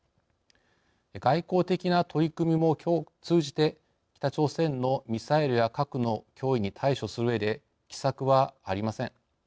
外交的な取り組みも通じて北朝鮮のミサイルや核の脅威に対処するうえで奇策はありません。